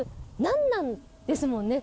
『なんなん？』ですもんね。